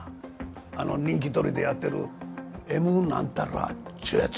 あの人気取りでやってるＭなんたらっちゅうやつ